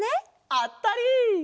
あったり！